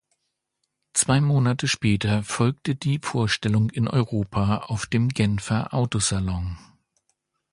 Zwei Monate später folgte die Vorstellung in Europa auf dem Genfer Auto-Salon.